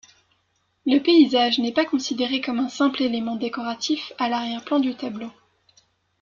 Le paysage n'est pas considéré comme un simple élément décoratif à l'arrière-plan du tableau.